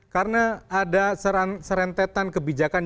karena ada serentetan kebijakan